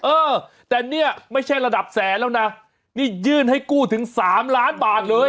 เออแต่เนี่ยไม่ใช่ระดับแสนแล้วนะนี่ยื่นให้กู้ถึงสามล้านบาทเลย